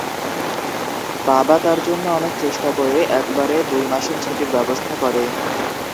বাবা তার জন্য অনেক চেষ্টা করে একবারে দুই মাসের ছুটির ব্যাবস্থা করে।